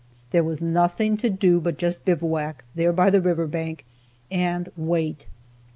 There was nothing to do but just bivouac there by the river bank, and wait.